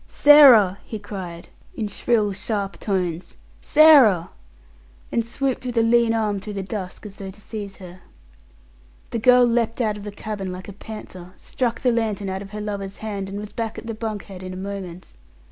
"Sarah!" he cried, in shrill sharp tones. "Sarah!" and swooped with a lean arm through the dusk, as though to seize her. The girl leapt out of the cabin like a panther, struck the lantern out of her lover's hand, and was back at the bunk head in a moment.